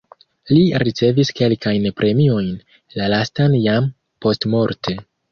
Li ricevis kelkajn premiojn, la lastan jam postmorte.